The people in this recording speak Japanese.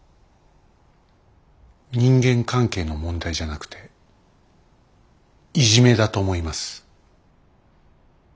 人間関係の問題じゃなくていじめだと思います。